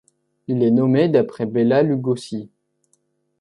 Il est nommé d'après Béla Lugosi.